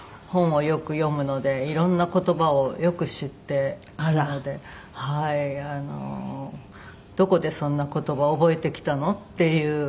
本をよく読むので色んな言葉をよく知ってるので「どこでそんな言葉覚えてきたの？」っていう